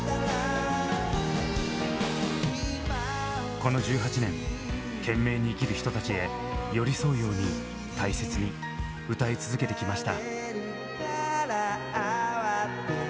この１８年懸命に生きる人たちへ寄り添うように大切に歌い続けてきました。